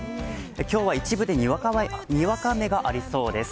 今日は一部でにわか雨がありそうです。